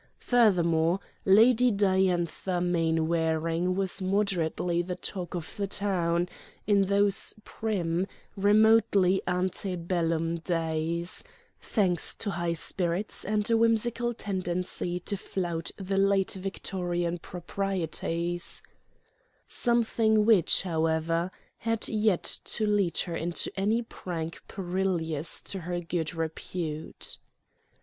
Furthermore, Lady Diantha Mainwaring was moderately the talk of the town, in those prim, remotely ante bellum days—thanks to high spirits and a whimsical tendency to flout the late Victorian proprieties; something which, however, had yet to lead her into any prank perilous to her good repute.